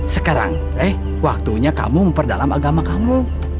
sekarang eh waktunya kamu memperdalam agama kamu